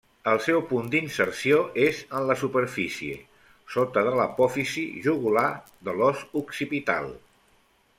El seu punt d'inserció és en la superfície, sota de l'apòfisi jugular de l'os occipital.